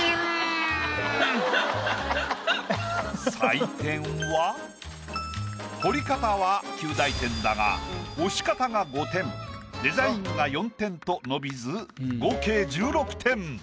採点は彫り方は及第点だが押し方が５点デザインが４点と伸びず合計１６点。